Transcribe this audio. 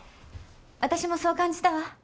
私もそう感じたわ。